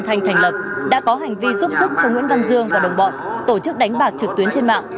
thành lập đã có hành vi giúp sức cho nguyễn văn dương và đồng bọn tổ chức đánh bạc trực tuyến trên mạng